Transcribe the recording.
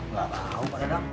gak tau pak edang